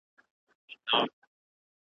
ورور په وینو لمبولی نښانه د شجاعت وي .